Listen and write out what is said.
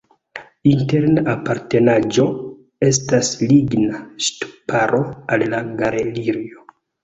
Interna apartenaĵo estas ligna ŝtuparo al la galerio.